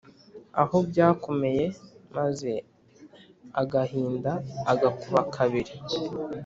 aho byakomeye maze agahinda agakuba kabiri